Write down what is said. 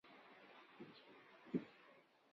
他也是中共党史上最年轻的中央委员。